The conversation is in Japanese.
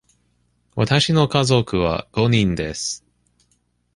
わたしの家族は五人です。